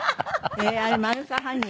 あれマヌカハニー？